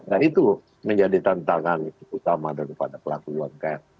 nah itu menjadi tantangan utama daripada pelaku umkm